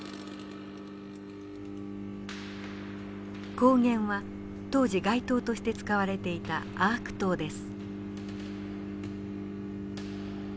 光源は当時街灯として使われていたアーク灯です。